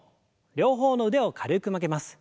両方の腕を軽く曲げます。